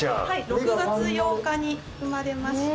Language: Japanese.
６月８日に生まれました。